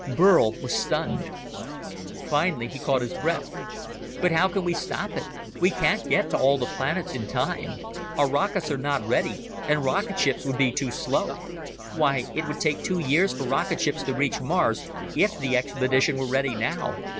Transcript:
Burl was stunned. Finally he caught his breath. "But how can we stop it? We can't get to all the planets in time. Our rockets are not ready and rocketships would be too slow. Why it would take two years for rocketships to reach Mars, if the expedition were ready now